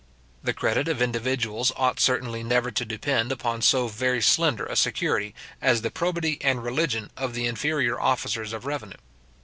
The credit of individuals ought certainly never to depend upon so very slender a security, as the probity and religion of the inferior officers of revenue.